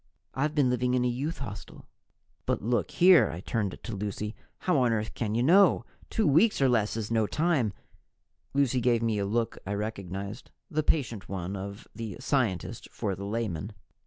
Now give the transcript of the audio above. I've been living in a youth hostel." "But look here " I turned to Lucy "how on Earth can you know? Two weeks or less is no time " Lucy gave me a look I recognized, the patient one of the scientist for the layman.